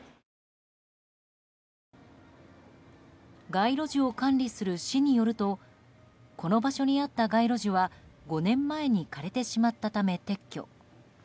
街路樹を管理する市によるとこの場所にあった街路樹は５年前に枯れてしまったため撤去。